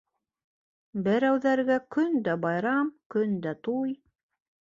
Берәүҙәргә көндә байрам, көндә туй;